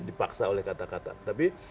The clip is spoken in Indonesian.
dipaksa oleh kata kata tapi